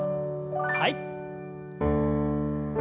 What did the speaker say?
はい。